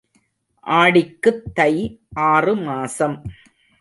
ஆடிக்குத் தை ஆறு மாசம்.